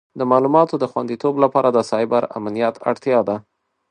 د معلوماتو د خوندیتوب لپاره د سایبر امنیت اړتیا ده.